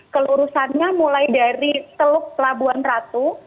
kelurusannya mulai dari teluk labuan ratu